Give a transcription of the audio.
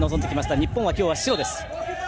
日本は今日は白です。